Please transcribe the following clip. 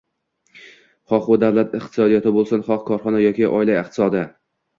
Xoh u davlat iqtisodiyoti bo‘lsin, xoh korxona yoki oila iqtisodi